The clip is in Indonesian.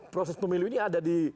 proses pemilu ini ada di